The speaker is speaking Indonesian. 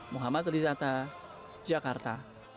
muhammad rizata jakarta